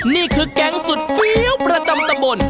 นี่คือการ์กลดสุดฟี๋ยอวประจำตำบล